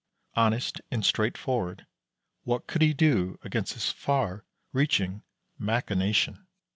Honest and straightforward, what could he do against this far reaching machination?